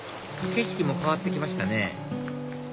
景色も変わって来ましたね